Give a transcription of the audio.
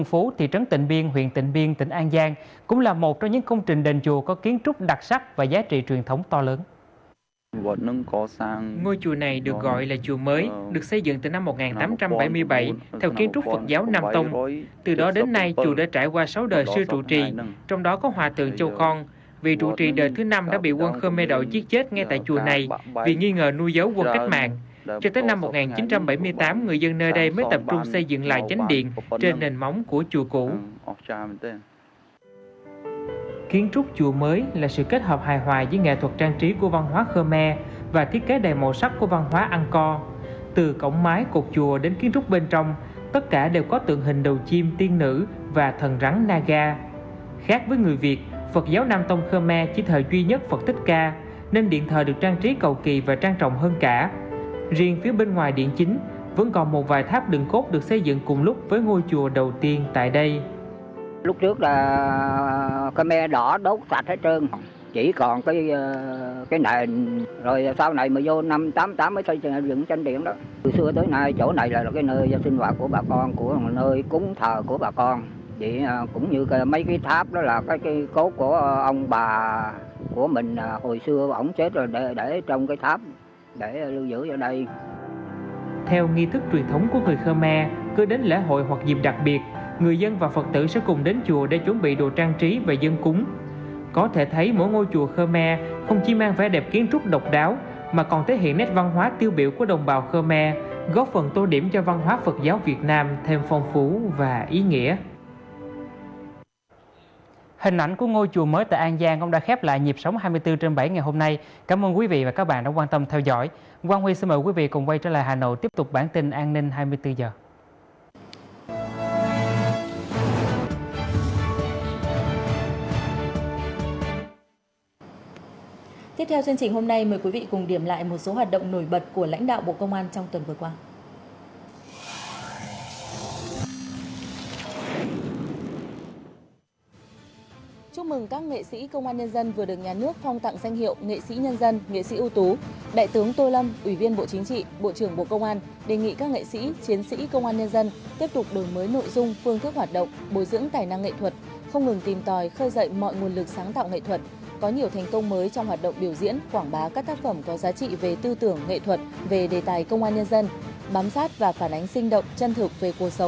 phát biểu chỉ đạo tại hội nghị sơ kết kế hoạch đợt tổng kiểm soát trung tướng nguyễn văn sơn thứ trưởng bộ công an yêu cầu lực lượng cảnh sát giao thông tập trung xử lý nghiêm hành vi sử dụng giấy phép lái xe giả lạng lách đổi mới phương thức tuần tra kiểm soát có biện pháp bảo vệ đến sức khỏe tính mạng cho cán bộ chiến sĩ khi làm nhiệm vụ